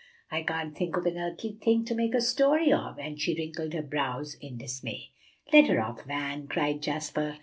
"I can't think of an earthly thing to make a story of;" and she wrinkled her brows in dismay. "Let her off, Van," cried Jasper.